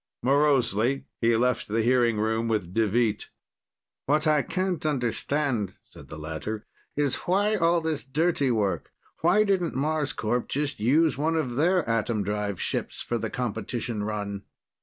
Morosely, he left the hearing room with Deveet. "What I can't understand," said the latter, "is why all this dirty work, why didn't Marscorp just use one of their atom drive ships for the competition run?"